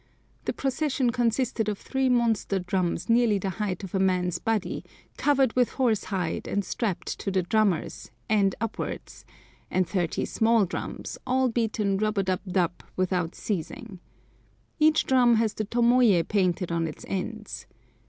The procession consisted of three monster drums nearly the height of a man's body, covered with horsehide, and strapped to the drummers, end upwards, and thirty small drums, all beaten rub a dub dub without ceasing. Each drum has the tomoyé painted on its ends.